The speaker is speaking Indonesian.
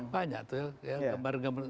banyak tuh ya gambar gambar